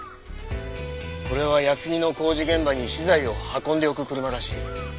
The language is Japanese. これは休みの工事現場に資材を運んでおく車らしい。